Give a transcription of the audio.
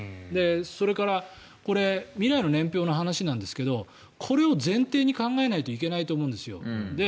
それから、これ未来の年表の話なんですけどこれを前提に考えないといけないと思うんですよ。